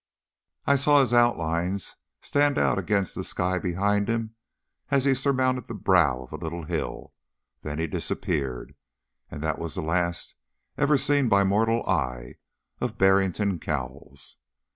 I saw his outlines stand out hard against the sky behind him as he surmounted the brow of a little hill, then he disappeared, and that was the last ever seen by mortal eye of Barrington Cowles.